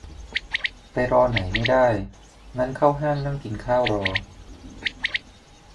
ไปรอไหนไม่ได้ งั้นเข้าห้างนั่งกินข้าวรอ